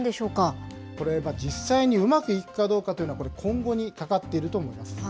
実際にうまくいくかどうかというのは、今後にかかっていると思います。